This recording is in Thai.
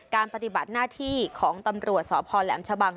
ปฏิบัติหน้าที่ของตำรวจสพแหลมชะบัง